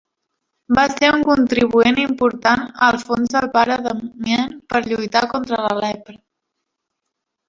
Va ser un contribuent important als fons del pare Damien per lluitar contra la lepra.